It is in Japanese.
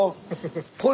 これ！